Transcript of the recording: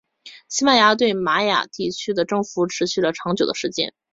西班牙对玛雅地区的征服持续了较长的时间。